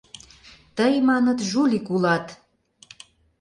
— Тый, маныт, жулик улат!